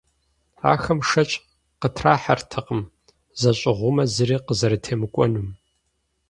Ахэм шэч къытрахьэртэкъым зэщӏыгъумэ, зыри къазэрытемыкӏуэнум.